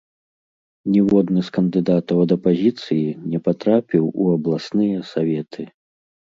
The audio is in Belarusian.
Ніводны з кандыдатаў ад апазіцыі не патрапіў у абласныя саветы.